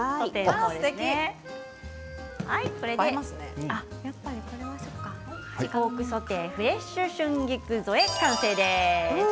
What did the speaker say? ポークソテーフレッシュ春菊添え、完成です。